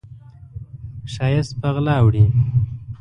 ښایست په غلا وړي